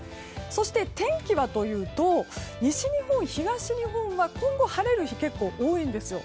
そして、天気はというと西日本、東日本は今後晴れる日が多いんですよ。